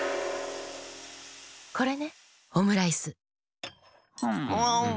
これねオムライス。